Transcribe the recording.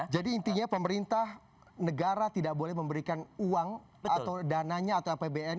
jadi intinya pemerintah negara tidak boleh memberikan uang atau dananya atau apbn